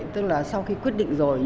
tức là sau khi quyết định rồi